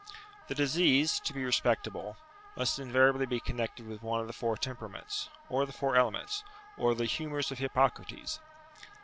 The disease, to be respectable, must invariably be connected with one of the four temperaments, or the four elements, or the "humours of Hippocrates."